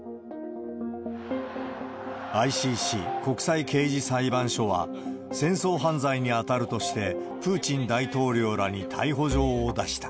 ＩＣＣ・国際刑事裁判所は、戦争犯罪に当たるとして、プーチン大統領らに逮捕状を出した。